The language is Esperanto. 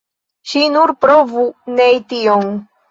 Ŝi nur provu nei tion!